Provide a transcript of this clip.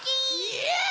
イエーイ！